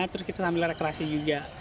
terus kita sambil rekreasi juga